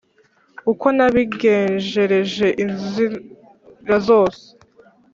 Uko nabigenjereje Inzira zose